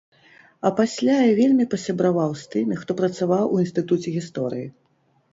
А пасля я вельмі пасябраваў з тымі, хто працаваў у інстытуце гісторыі.